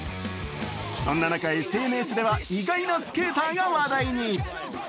そんな中、ＳＮＳでは意外なスケーターが話題に。